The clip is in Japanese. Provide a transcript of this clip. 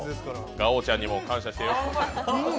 ガオちゃんにも感謝してよ。